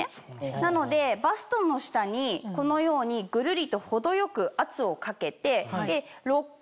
なのでバストの下にこのようにぐるりと程よく圧をかけて。